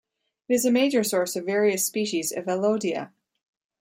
It is a major source of various species of elodea.